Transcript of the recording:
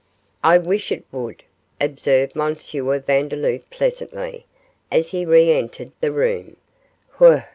'I wish it would,' observed M. Vandeloup, pleasantly, as he reentered the room, 'whew!